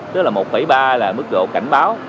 tức là một ba là mức độ cảnh báo